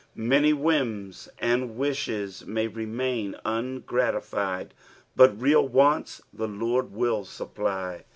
Uan; wlums and wishes maj lemain angtatifled, but real wants ihe Lord will Bupplj.